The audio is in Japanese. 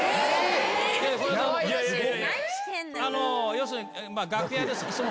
要するに楽屋です。